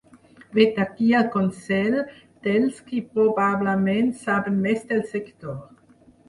Vet aquí el consell dels qui probablement saben més del sector.